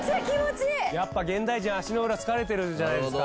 やっぱ現代人は足の裏疲れてるじゃないですか。